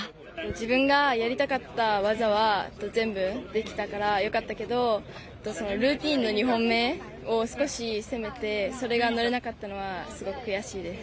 自分がやりたかった技は全部できたからよかったけどルーティンの２本目で少し攻めて、それが乗れなかったのはすごく悔しいです。